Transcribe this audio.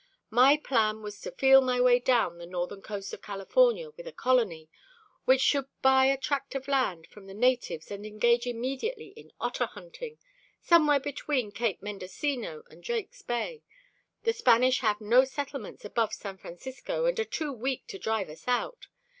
My plan was to feel my way down the northern coast of California with a colony, which should buy a tract of land from the natives and engage immediately in otter hunting somewhere between Cape Mendocino and Drake's Bay. The Spanish have no settlements above San Francisco and are too weak to drive us out.